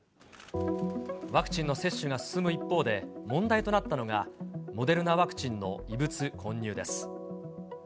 ワクチンの接種が進む一方で問題となったのが、モデルナワクチンの異物混入です。